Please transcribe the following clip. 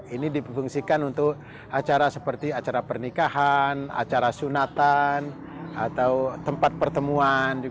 ini dipungsikan untuk acara seperti acara pernikahan acara sunatan atau tempat pertemuan